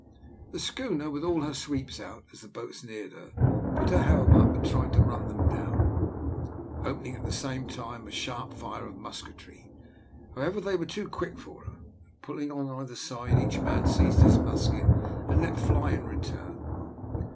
The schooner, with all her sweeps out, as the boats neared her, put her helm up, and tried to run them down, opening at the same time a sharp fire of musketry. They, however, were too quick for her, and, pulling on either side, each man seized his musket and let fly in return.